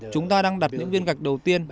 chúng ta đang đặt những viên gạch đầu tiên